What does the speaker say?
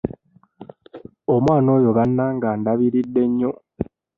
Omwana oyo bannange andabiridde nnyo.